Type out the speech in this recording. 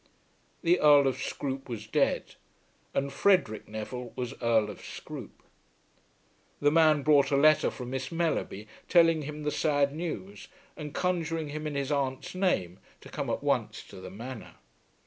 The Earl of Scroope was dead, and Frederic Neville was Earl of Scroope. The man brought a letter from Miss Mellerby, telling him the sad news and conjuring him in his aunt's name to come at once to the Manor.